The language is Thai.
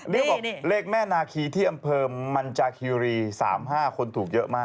เรียกบอกเลขแม่นาคีที่อำเภอมันจาคีรี๓๕คนถูกเยอะมาก